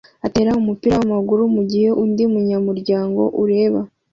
atera umupira wamaguru mugihe undi munyamuryango ureba